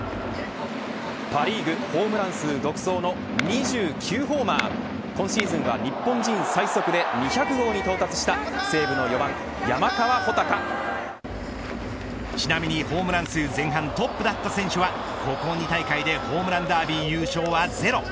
パ・リーグホームラン数独走の２９ホーマー今シーズン日本人最速で２００号に到達したちなみにホームラン数前半トップだった選手はここ２大会でホームランダービー優勝はゼロ。